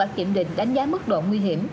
đều có kết quả kiểm định đánh giá mức độ nguy hiểm